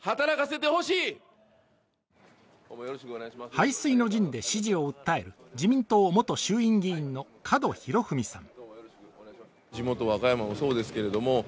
背水の陣で支持を訴える自民党元衆院議員の門博文さん。